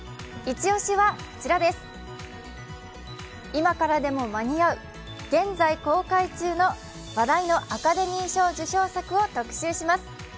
イチ押しは、今からでも間に合う、現在公開中の話題のアカデミー賞受賞作を特集します。